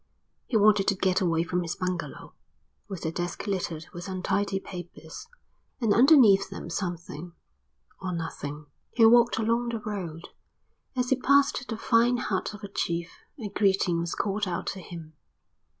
He wanted to get away from his bungalow, with the desk littered with untidy papers, and underneath them something, or nothing. He walked along the road. As he passed the fine hut of a chief a greeting was called out to him.